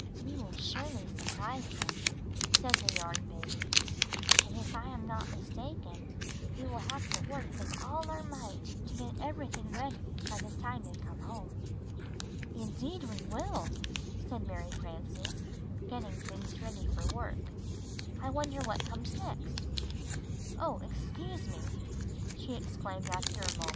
"You surely will surprise them," said the Yarn Baby, "and if I am not mistaken we will have to work with all our might to get everything ready by the time they come home." "Indeed we will!" said Mary Frances, getting things ready for work. "I wonder what comes next?" VeW "Oh, excuse me," she exclaimed after a moment, '%u sMrejy vill mirpriae tkem.